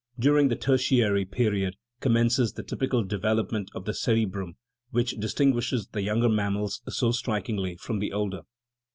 During the Tertiary period commences the typ ical development of the cerebrum, which distinguishes the younger mammals so strikingly from the older.